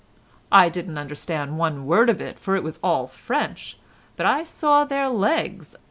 I didn't understand one word of it, for it was all French, but I saw their legs.